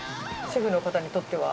主婦の方にとっては？